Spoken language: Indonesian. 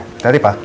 sampai tadi pak